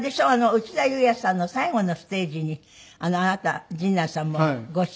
内田裕也さんの最後のステージにあなた陣内さんもご出演になったって。